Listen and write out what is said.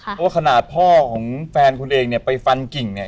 เพราะว่าขนาดพ่อของแฟนคุณเองเนี่ยไปฟันกิ่งเนี่ย